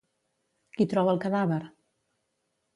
Qui troba el cadàver?